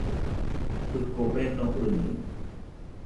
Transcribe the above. Jɨko beno ɨnɨde.